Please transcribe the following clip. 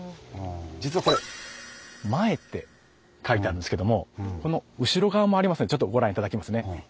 実はこれ「前」って書いてあるんですけどもこの後ろ側もありますのでちょっとご覧頂きますね。